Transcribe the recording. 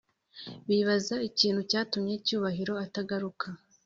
bibaza ikintu cyatumye cyubahiro atagaruka